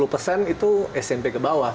enam puluh persen itu smp ke bawah